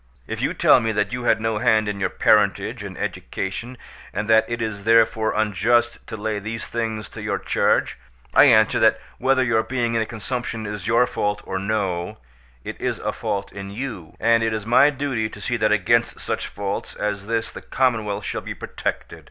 If you tell me that you had no hand in your parentage and education, and that it is therefore unjust to lay these things to your charge, I answer that whether your being in a consumption is your fault or no, it is a fault in you, and it is my duty to see that against such faults as this the commonwealth shall be protected.